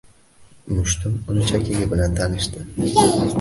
Mushtim uning chakagi bilan tanishdi.